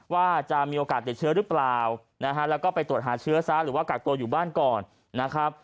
ว่าจะมีโอกาสติดเชื้อหรือเปล่านะฮะแล้วก็ไปตรวจหาเชื้อซะหรือว่ากักตัวอยู่บ้านก่อนนะครับ